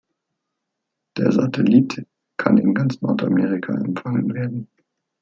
Der Satellit kann in ganz Nordamerika empfangen werden.